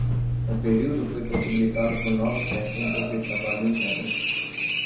O período foi possibilitado por novas técnicas de trabalho em pedra.